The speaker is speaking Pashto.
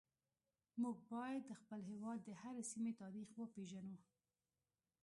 موږ باید د خپل هیواد د هرې سیمې تاریخ وپیژنو